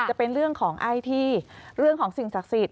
จะเป็นเรื่องของไอ้ที่เรื่องของสิ่งศักดิ์สิทธิ